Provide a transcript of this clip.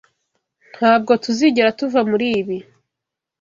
Ntabwo tuzigera tuva muri ibi.